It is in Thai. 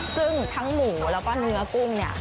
ซึ่งทั้งหมูแล้วก็เนื้อกุ้งเนี่ย